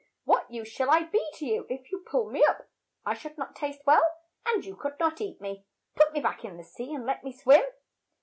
What use shall I be to you if you pull me up? I should not taste well, and you could not eat me. Put me back in the sea and let me swim."